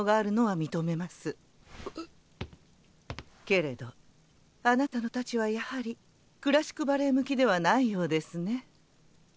けれどあなたの質はやはりクラシックバレエ向きではないようですね。